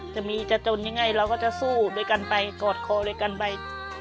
จะมีจะจนยังไงเราก็จะสู้ด้วยกันไปกอดคอด้วยกันไป